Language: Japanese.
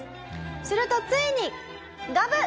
するとついにガブッ！